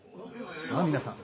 さあ皆さん！